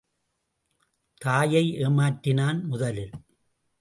தாயை ஏமாற்றினான் முதலில்.